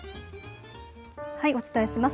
お伝えします。